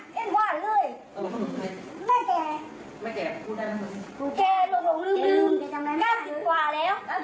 ก็เอ็ดวาดเลยไม่แก่แก่หลงลืม๙๐กว่าแล้ว